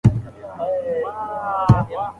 کولمو بکتریاوې په مستقیم ډول دماغ ته اغېز لري.